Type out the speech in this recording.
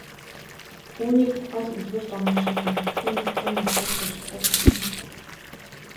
Үүний тухай л үлгэр домог шиг юм нутгийн настан буурлууд хуучилдаг байсан юм.